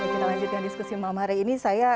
kita lanjutkan diskusi malam hari ini